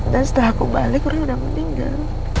dan setelah aku balik orang udah meninggal